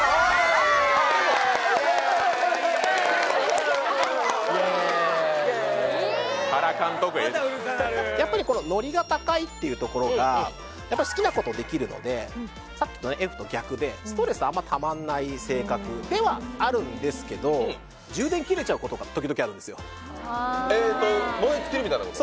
イエーイイエーイウッウウッウッウッイエーイイエーイ原監督ええってまたうるさなるやっぱりこのノリが高いっていうところがやっぱり好きなことできるのでさっきとねＦと逆でストレスあんまりたまんない性格ではあるんですけど充電切れちゃうことが時々あるんですよああえっと燃え尽きるみたいなこと？